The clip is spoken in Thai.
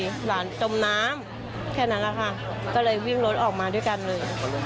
ก็ขอให้มีหวังว่าเจอไม่เป็นไร